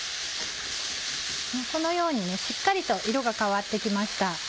このようにしっかりと色が変わって来ました。